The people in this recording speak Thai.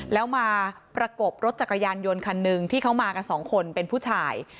แล้วมาประกบรถจักรยานยนต์คันหนึ่งที่เขามากันสองคนเป็นผู้ชาย